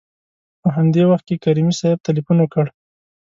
په همدې وخت کې کریمي صیب تلېفون وکړ.